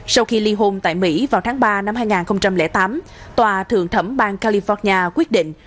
sau khi ly hôn tại mỹ vào tháng ba năm hai nghìn tám tòa thượng thẩm bang california quyết định